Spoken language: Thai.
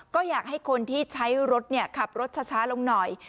ก็อยากให้คนที่ใช้รถขับรถช้าลงหน่อย